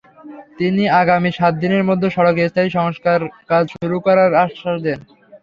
তিনি আগামী সাত দিনের মধ্যে সড়কে স্থায়ী সংস্কারকাজ শুরু করার আশ্বাস দেন।